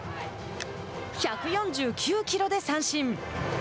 １４９キロで三振。